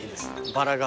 バラが。